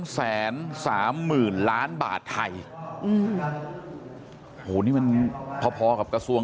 แสนสามหมื่นล้านบาทไทยอืมโหนี่มันพอพอกับกระทรวง